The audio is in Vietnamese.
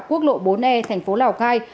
quốc lộ bốn e thành phố lào cai